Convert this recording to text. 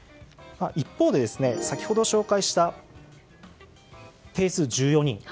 一方で、先ほど紹介した定数１４人。